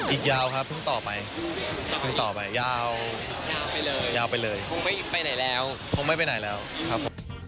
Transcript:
อีกยาวครับเพิ่งต่อไปเพิ่งต่อไปยาวไปเลยยาวไปเลยคงไม่ไปไหนแล้วคงไม่ไปไหนแล้วครับผม